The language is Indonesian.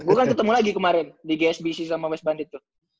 bukan ketemu lagi kemarin di gsbc sama west bandit tuh